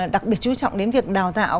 đặc biệt trú trọng đến việc đào tạo